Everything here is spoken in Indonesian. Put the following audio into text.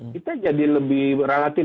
kita jadi lebih relatif